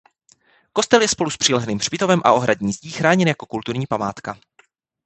Kostel je spolu s přilehlým hřbitovem a ohradní zdí chráněn jako kulturní památka.